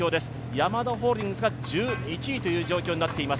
ヤマダホールディングスが１１という状況になっています。